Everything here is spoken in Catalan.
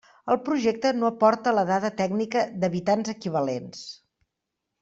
El projecte no aporta la dada tècnica d'habitants-equivalents.